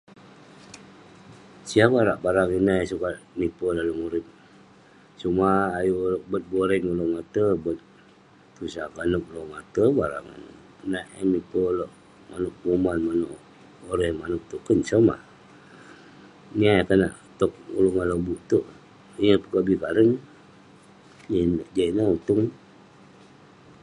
Siah barak barang ineh yeh sukat mipie oluek murip sumak ayuk bet boring oleuk ngate bet tusah konep oleuk ngate barang ineh nak eh mipie oleuk manuek peguman oleuk manuek Oren somah niyah eh konak tok lobuk tok yeng pekobi bareng jah ineh untung